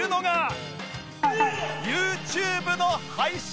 ＹｏｕＴｕｂｅ の配信